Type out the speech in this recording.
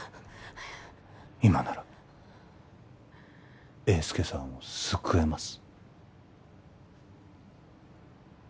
今なら英輔さんを救えます